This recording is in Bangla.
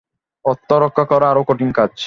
অর্থ রক্ষা করা আরও কঠিন কাজ।